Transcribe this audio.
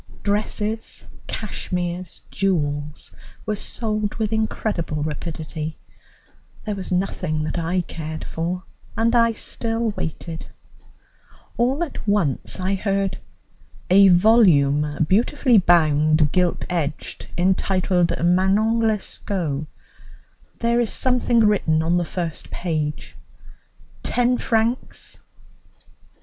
Dresses, cashmeres, jewels, were sold with incredible rapidity. There was nothing that I cared for, and I still waited. All at once I heard: "A volume, beautifully bound, gilt edged, entitled Manon Lescaut. There is something written on the first page. Ten francs."